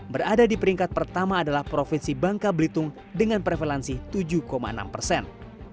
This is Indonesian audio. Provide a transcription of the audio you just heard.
berada di peringkat pertama adalah provinsi bangka belitung dengan prevalansi tujuh enam persen